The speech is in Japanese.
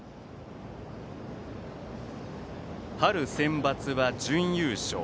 春センバツは準優勝。